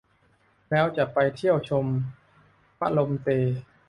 แล้วจะไปเที่ยวชมมะลมเต